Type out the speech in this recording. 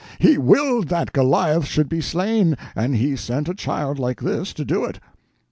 He willed that Goliath should be slain, and He sent a child like this to do it!"